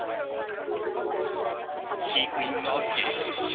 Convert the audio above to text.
飼育員が激写！